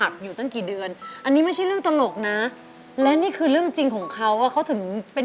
ขึ้นมาหน่อยนะฮะโอ้โฮ